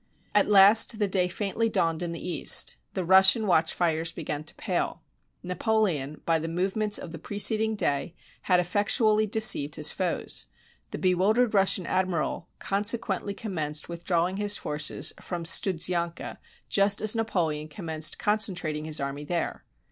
At last the day faintly dawned in the east. The Rus sian watch fires began to pale. Napoleon, by the move ments of the preceding day, had effectually deceived his foes. The bewildered Russian admiral consequently commenced withdrawing his forces from Studzianca just as Napoleon commenced concentrating his army there.